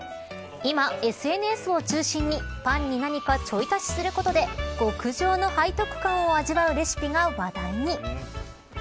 今、ＳＮＳを中心にパンに何かちょい足しすることで極上の背徳感を味わうレシピが話題に。